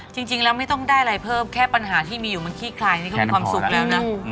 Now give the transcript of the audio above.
จริงแล้วไม่ต้องได้อะไรเพิ่มแค่ปัญหาที่มีอยู่มันขี้คลายนี่ก็มีความสุขแล้วนะ